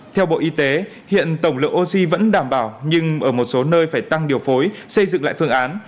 theo bộ y tế hiện tổng lượng oxy vẫn đảm bảo nhưng ở một số nơi phải tăng điều phối xây dựng lại phương án